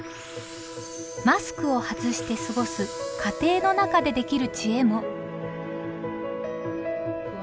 マスクを外して過ごす家庭の中でできるチエも。